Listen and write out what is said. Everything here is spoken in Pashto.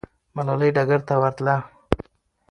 ملالۍ ډګر ته ورتله.